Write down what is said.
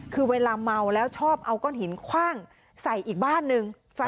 คือเวลาเมาแล้วชอบเอาก้อนหินคว่างใส่อีกบ้านนึง